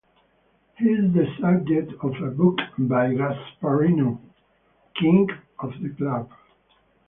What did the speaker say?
He is the subject of a book by Gasparino, "King of the Club".